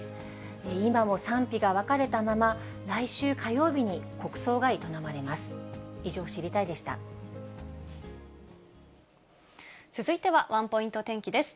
今も賛否が分かれたまま、来週火曜日に国葬が営まれます。